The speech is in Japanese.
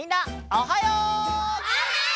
おはよう！